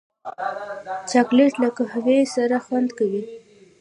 چاکلېټ له قهوې سره خوند کوي.